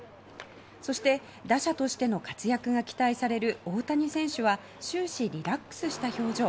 そして、打者としての活躍が期待される大谷選手は終始リラックスした表情。